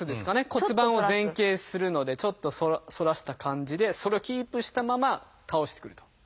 骨盤を前傾するのでちょっと反らした感じでそれをキープしたまま倒してくると。